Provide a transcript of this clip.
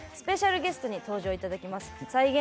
スペシャルゲストに登場いただきます。